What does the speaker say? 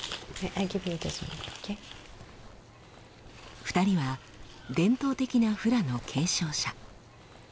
２人は伝統的なフラの継承者。